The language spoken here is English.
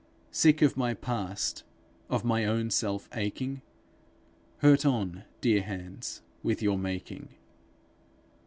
Sick of my past, of my own self aching Hurt on, dear hands, with your making.